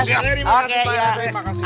siap terima kasih pak rt